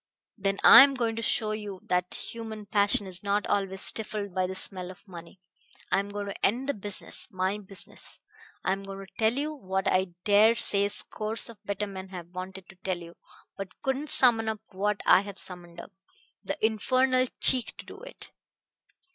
"Then I am going to show you that human passion is not always stifled by the smell of money. I am going to end the business my business. I am going to tell you what I dare say scores of better men have wanted to tell you, but couldn't summon up what I have summoned up the infernal cheek to do it.